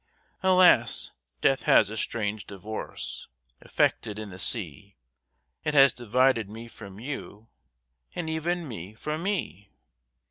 "Alas! death has a strange divorce Effected in the sea, It has divided me from you, And even me from me!